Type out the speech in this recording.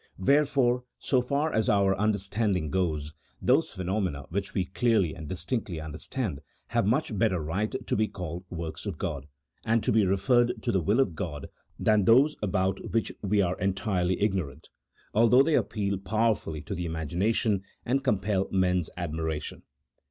Wherefore so far as our understanding goes,, those phenomena which we clearly and distinctly under stand have much better right to be called works of God, and to be referred to the will of God than those about which we are entirely ignorant, although they appeal power fully to the imagination, and compel men's admiration.